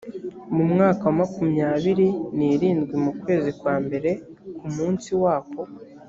mu mwaka wa makumyabiri n irindwi mu kwezi kwa mbere ku munsi wako